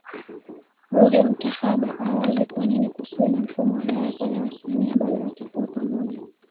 Ruge Mtahaba awaze kwanini kusiwe na mfumo wa darasa la wasanii ambalo watakuwa pamoja